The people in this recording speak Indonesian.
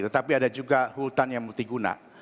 tetapi ada juga hutan yang multiguna